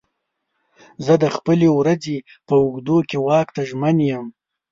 زه د خپلې ورځې په اوږدو کې واک ته ژمن یم.